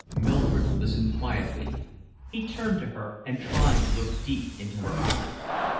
Mildred listened quietly. He turned to her and tried to look deep into her eyes.